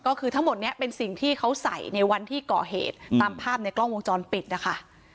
ก็คือทั้งหมดนี้เป็นสิ่งที่เขาใส่ในวันที่ก่อเหตุตามภาพในกล้องวงจรปิดนะคะ